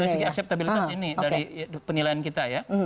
dari segi akseptabilitas ini dari penilaian kita ya